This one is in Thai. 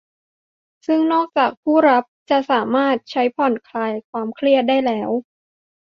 ซึ่งนอกจากผู้รับจะสามารถใช้ผ่อนคลายความเครียดได้แล้ว